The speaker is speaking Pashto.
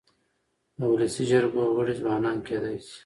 د ولسي جرګو غړي ځوانان کيدای سي.